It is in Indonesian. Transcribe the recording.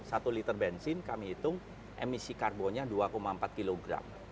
satu liter bensin kami hitung emisi karbonnya dua empat kg